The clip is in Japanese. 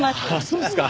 そうですか。